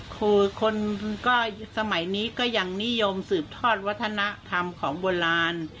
คือคนก็สมัยนี้ก็ยังนิยมสืบทอดวัฒนธรรมของโบราณ